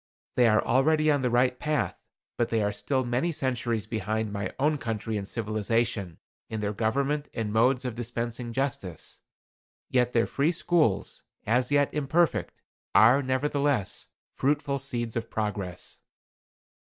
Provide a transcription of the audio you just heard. They are already on the right path, but they are still many centuries behind my own country in civilization, in their government and modes of dispensing justice. Yet their free schools, as yet imperfect, are, nevertheless, fruitful seeds of progress."